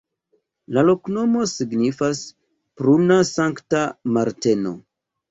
La loknomo signifas: pruna-Sankta-Marteno.